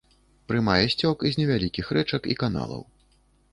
Прымае сцёк з невялікіх рэчак і каналаў.